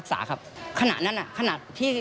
แซพอตี้